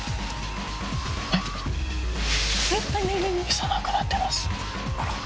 餌なくなってます。